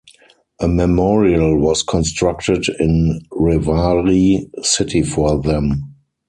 A memorial was constructed in Rewari city for them.